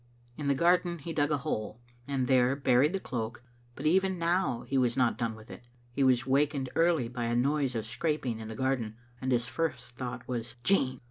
In the garden he dug a hole, and there buried the cloak, but even now he was not done with it. He was wakened early by a noise of scraping in the garden, and his first thought was "Jean!"